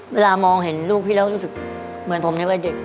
เวลามองเห็นลูกพี่แล้วรู้สึกเหมือนผมในวัยเด็ก